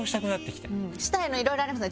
したいのいろいろありますね